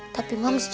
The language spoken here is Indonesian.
tapi mams jangan